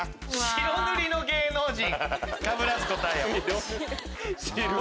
白塗りの芸能人？いる？